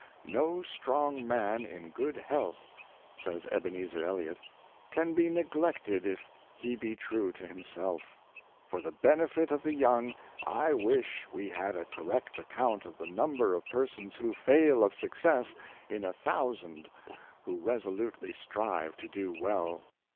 " No strong man, in good health," says Ebenezer Eliot, " can be neglected if he be true to himself For the benefit of the young, I wish we had a correct account of the number of per sons who fail of success in a thousand who resolutely strive to do well.